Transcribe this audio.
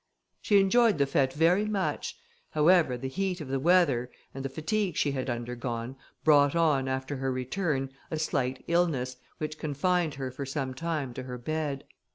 She enjoyed the fête very much. However, the heat of the weather, and the fatigue she had undergone, brought on, after her return, a slight illness, which confined her for some time to her bed.